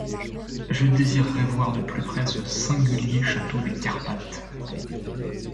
Je désirerais voir de plus près ce singulier château des Carpathes.